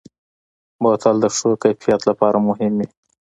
بوتل د ښو کیفیت لپاره مهم وي.